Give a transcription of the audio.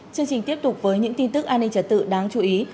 chương trình tiếp tục với những tin tức an ninh trật tự đáng chú ý